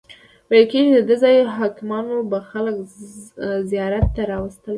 ویل کیږي دده ځایي حاکمانو به خلک زیارت ته راوستل.